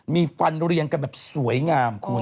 มีฟันเรียงกันแบบสวยงามคุณ